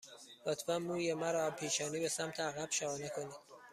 لطفاً موی مرا از پیشانی به سمت عقب شانه کنید.